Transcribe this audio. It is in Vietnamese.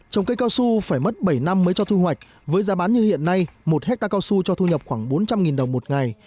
trồng cây cao su phải mất bảy năm mới cho thu hoạch với giá bán như hiện nay một hectare cao su cho thu nhập khoảng bốn trăm linh đồng một ngày